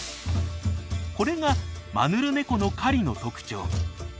これがマヌルネコの狩りの特徴。